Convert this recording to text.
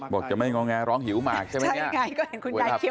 จะไม่งอแงร้องหิวหมากใช่ไหมเนี่ย